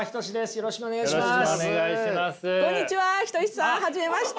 よろしくお願いします。